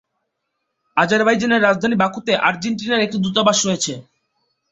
আজারবাইজানের রাজধানী বাকুতে আর্জেন্টিনার একটি দূতাবাস রয়েছে।।